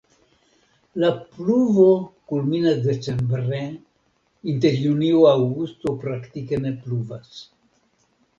La pluvo kulminas decembre, inter junio-aŭgusto praktike ne pluvas.